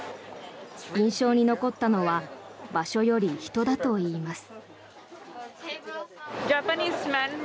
印象に残ったのは場所より人だといいます。